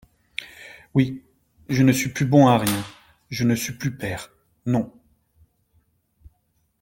Oui, je ne suis plus bon à rien, je ne suis plus père ! non.